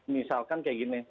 misalkan seperti ini